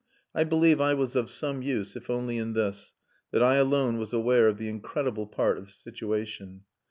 I believe I was of some use, if only in this, that I alone was aware of the incredible part of the situation.